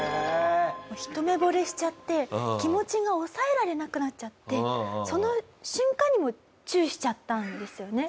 一目惚れしちゃって気持ちが抑えられなくなっちゃってその瞬間にもうチューしちゃったんですよね？